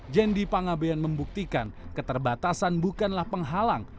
jendi pangabean membuktikan keterbatasan bukanlah penghalang